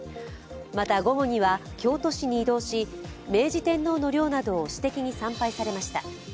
また、午後には京都市に移動し、明治天皇の陵などを私的に参拝されました。